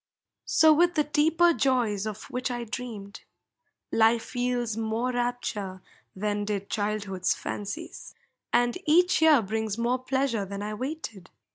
So with the deeper joys of which I dreamed: Life yields more rapture than did childhood's fancies, And each year brings more pleasure than I waited.